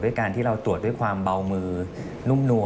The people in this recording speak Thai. การที่เราตรวจด้วยความเบามือนุ่มนัว